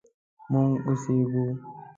مونږ اوسیږو